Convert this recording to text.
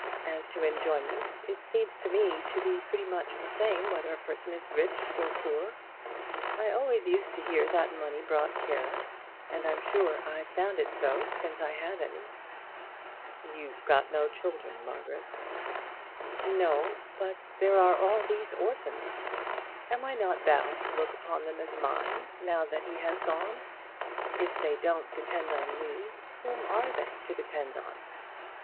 As to enjoyment, it seems to me to be pretty much the same whether a person is rich or poor. I always used to hear that money brought care, and I'm sure I've found it so since I had any." "You've got no children, Margaret." "No; but there are all those orphans. Am I not bound to look upon them as mine, now that he has gone? If they don't depend on me, whom are they to depend on?"